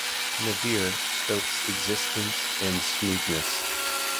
Navier–Stokes existence and smoothness.